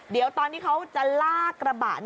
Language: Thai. เดี๋ยวตอนที่เขาจะลากกระบะ